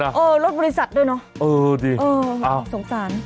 เออรถบริษัทด้วยเนอะเออดิเออสงสาร